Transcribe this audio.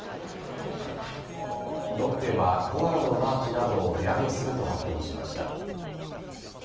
ロッテはコアラのマーチなどを値上げすると発表しました。